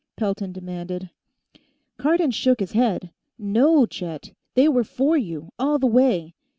Pelton demanded. Cardon shook his head. "No, Chet; they were for you, all the way.